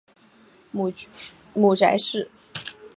母翟氏。